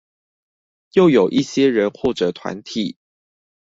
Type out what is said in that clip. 又有一些人或者團體